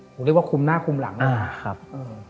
ผมเรียกว่าคุมหน้าคุมหลังนะครับ